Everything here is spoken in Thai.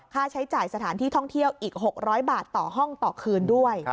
ค่าใช้จ่ายสถานที่ท่องเที่ยวอีก๖๐๐บาทต่อห้องต่อคืนด้วย